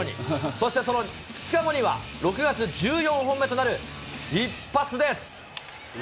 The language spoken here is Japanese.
そしてその２日後には、６月１４本目となる一発です。